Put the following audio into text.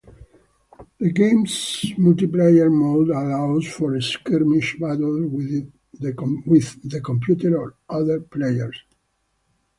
The game's multiplayer mode allows for skirmish battles with the computer or other players.